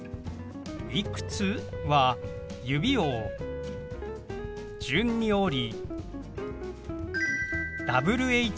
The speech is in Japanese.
「いくつ？」は指を順に折りＷｈ